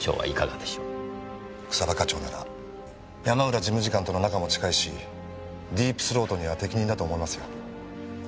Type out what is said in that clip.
草葉課長なら山浦事務次官との仲も近いしディープ・スロートには適任だと思いますよ。